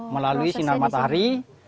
melalui sinar matahari